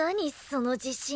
その自信。